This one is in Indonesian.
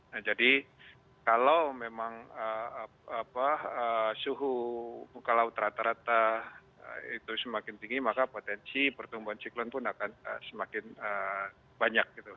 nah jadi kalau memang suhu muka laut rata rata itu semakin tinggi maka potensi pertumbuhan siklon pun akan semakin banyak gitu